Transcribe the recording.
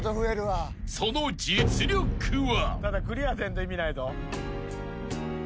［その実力は］